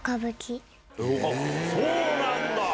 そうなんだ！